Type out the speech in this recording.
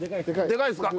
でかいですか？